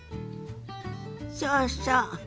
そうそう。